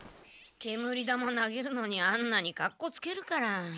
煙玉を投げるのにあんなにかっこつけるから。